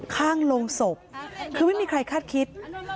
ข้างโรงศพคือไม่มีใครคาดคิด